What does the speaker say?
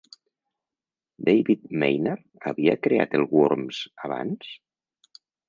David Maynard havia creat el Worms abans?